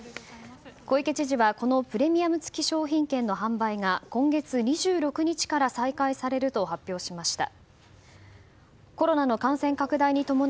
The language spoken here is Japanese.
小池知事はこのプレミアム付商品券の販売が今月２６日から再開されると発表しました。